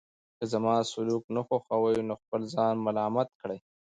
که زما سلوک نه خوښوئ نو خپل ځان ملامت کړئ.